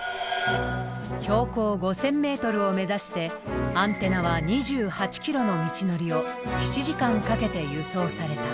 標高５，０００ｍを目指してアンテナは２８ｋｍの道のりを７時間かけて輸送された。